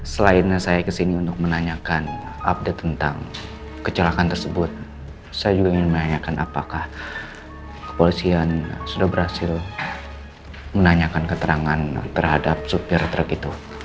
selain saya kesini untuk menanyakan update tentang kecelakaan tersebut saya juga ingin menanyakan apakah kepolisian sudah berhasil menanyakan keterangan terhadap supir truk itu